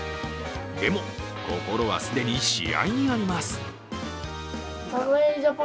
でも、心は既に試合にあります。